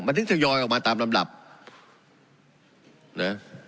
มันถึงทยอยออกมาตามลำดับนะ